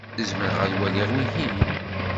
Zemreɣ ad waliɣ wihin?